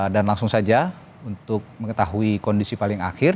dan langsung saja untuk mengetahui kondisi paling akhir